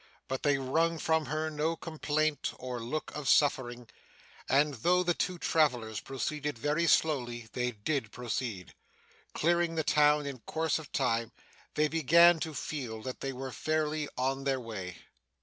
But they wrung from her no complaint, or look of suffering; and, though the two travellers proceeded very slowly, they did proceed. Clearing the town in course of time, they began to feel that they were fairly on their way.